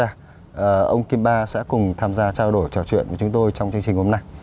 xin chào tất cả ông kim ba sẽ cùng tham gia trao đổi trò chuyện với chúng tôi trong chương trình hôm nay